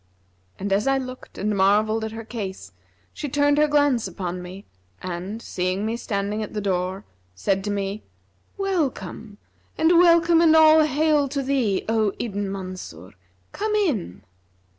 And as I looked and marvelled at her case, she turned her glance upon me and, seeing me standing at the door, said to me, 'Well come, and welcome and all hail to thee, O Ibn Mansur! Come in.'